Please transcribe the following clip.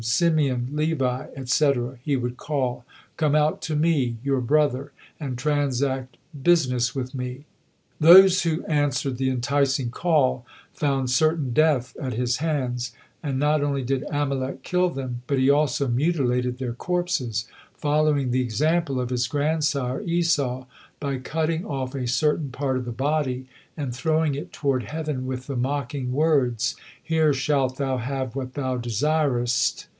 Simeon! Levi! etc.," he would call, "come out to me, your brother, and transact business with me." Those who answered the enticing call, found certain death at his hands; and not only did Amalek kill them, but he also mutilated their corpses, following the example of his grandsire Esau, by cutting off a certain part of the body, and throwing it toward heaven with the mocking words, "Here shalt Thou have what Thou desirest."